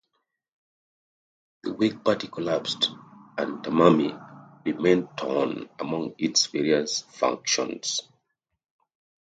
The Whig Party collapsed and Tammany remained torn among its various factions.